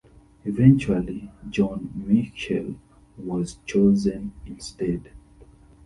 Eventually, Jon Michel was chosen instead.